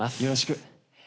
よろしく。